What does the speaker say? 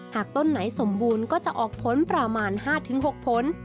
ต้นไหนสมบูรณ์ก็จะออกผลประมาณ๕๖ผล